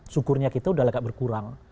syukurnya kita sudah agak berkurang